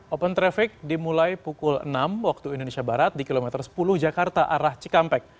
open traffic dimulai pukul enam waktu indonesia barat di kilometer sepuluh jakarta arah cikampek